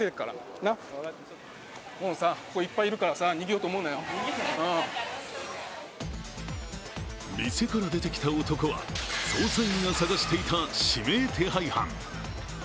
そして店から出てきた男は捜査員が捜していた指名手配犯。